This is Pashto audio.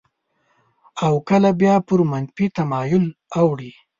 او کله بیا پر منفي تمایل اوړي.